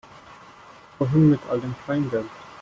Wohin mit all dem Kleingeld?